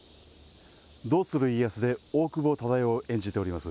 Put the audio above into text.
どうする家康で大久保忠世を演じております